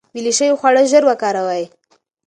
ویلې شوي خواړه ژر وکاروئ.